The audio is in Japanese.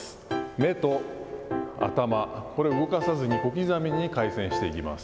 目と頭、これ動かさずに小刻みに回転していきます。